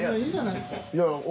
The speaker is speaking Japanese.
いいじゃないですか。